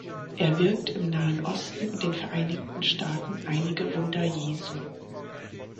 Er wirkt im Nahen Osten und den Vereinigten Staaten einige Wunder Jesu.